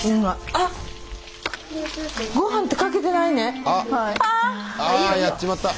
あやっちまった！